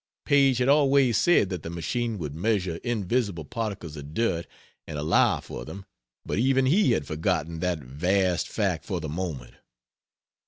Paige had always said that the machine would measure invisible particles of dirt and allow for them, but even he had forgotten that vast fact for the moment.